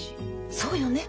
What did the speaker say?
そうよね！